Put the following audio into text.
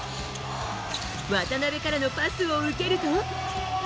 渡邉からのパスを受けると。